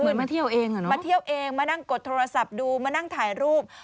มาเที่ยวเองอ่ะเนอะมาเที่ยวเองมานั่งกดโทรศัพท์ดูมานั่งถ่ายรูป